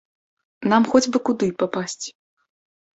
Нам хоць бы куды папасці.